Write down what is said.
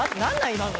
今の。